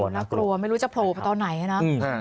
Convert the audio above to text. น่ากลัวไม่รู้จะโผล่ไปตอนไหนนะ